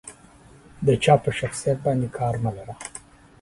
د جا په شخصيت باندې کار مه لره.